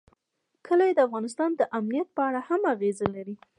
کلي د افغانستان د امنیت په اړه هم اغېز لري.